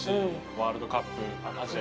ワールドカップ、アジア